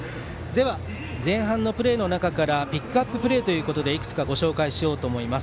では、前半のプレーの中からピックアッププレーということでいくつかご紹介しようと思います。